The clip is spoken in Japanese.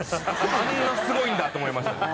あんなすごいんだと思いました。